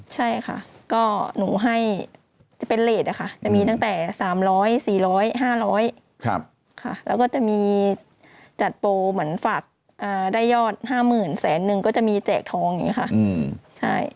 จะเป็นเลสอะค่ะมีตั้งแต่๓๐๐๔๐๐๕๐๐ค่ะแล้วก็จะมีจัดโปรเหมือนฝากได้ยอด๕๐๐๐๐แสนนึงก็จะมีแจกทองไงค่ะ